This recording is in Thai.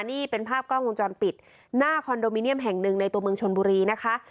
นี่เป็นภาพกล้องวงจรปิดหน้าคอนโดมิเนียมแห่งหนึ่งในตัวเมืองชนบุรีนะคะ